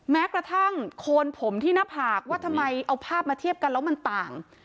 แม้กระทั่งโคนผมที่หน้าผากว่าทำไมเอาภาพมาเทียบกันแล้วมันต่าง